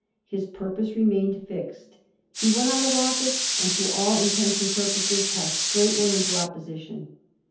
His purpose remained fixed. He went out of office, and, to all intents and purposes, passed straightway into opposition.